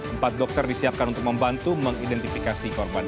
empat dokter disiapkan untuk membantu mengidentifikasi korban